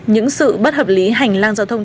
những sự bất hợp lý hành lang giao thông